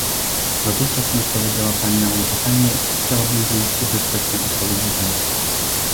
Dotychczas nie odpowiedziała pani na moje pytanie, chciałabym więc uzyskać tę odpowiedź dzisiaj